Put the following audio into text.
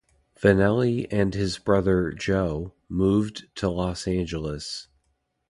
Vannelli and his brother, Joe, moved to Los Angeles.